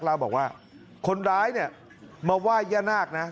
แล้วบอกว่าคนร้ายมาไหว้ย่านาคนะ